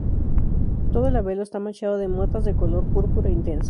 Todo el labelo está manchado de motas de color púrpura intenso.